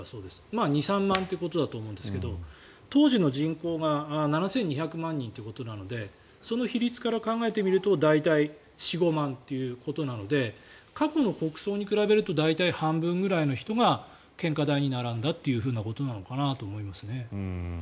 まあ、２３万ということだと思うんですが当時の人口が７２００万人ということなのでその比率から考えてみると大体４５万ということなので過去の国葬に比べると大体半分くらいの人が献花台に並んだということなのかなと思いますね。